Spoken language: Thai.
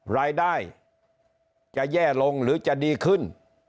รายได้จะแย่ลงหรือจะดีขึ้น